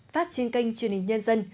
phát trên kênh truyền hình nhân dân